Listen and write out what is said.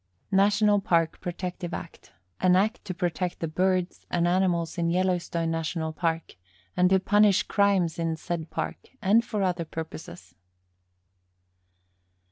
National Park Protective Act An Act to protect the birds and animals in Yellowstone National Park, and to punish crimes in said Park, and for other purposes.